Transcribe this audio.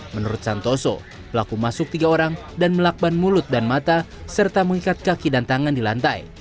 menurut santoso pelaku masuk tiga orang dan melakban mulut dan mata serta mengikat kaki dan tangan di lantai